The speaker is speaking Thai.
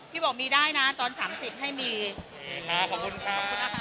บอกมีได้นะตอนสามสิบให้มีโอเคค่ะขอบคุณครับขอบคุณนะคะ